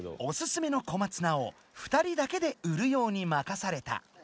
おすすめの小松菜を２人だけで売るように任された。